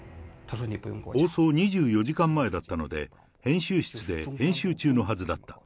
放送２４時間前だったので、編集室で編集中のはずだった。